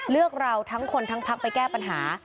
เลือกเราทั้งคนทั้งพักไปแก้ปัญหา